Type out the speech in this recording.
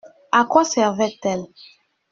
A quoi servait-elle?